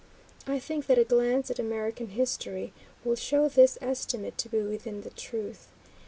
I think that a glance at American history will show this estimate to be within the truth.